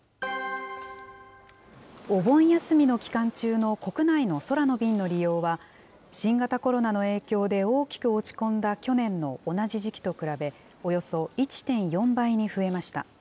お盆休みの期間中の国内の空の便の利用は、新型コロナの影響で大きく落ち込んだ去年の同じ時期と比べ、およそ１．４倍に増えました。